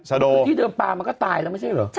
อาจารย์ที่เดิมปลามันก็ตายเลยมั้ยใช่หรอ